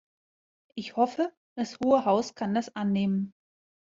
Ich hoffe, das Hohe Haus kann das annehmen.